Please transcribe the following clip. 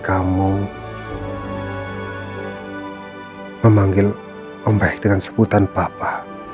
kamu memanggil om baik dengan sebutan papa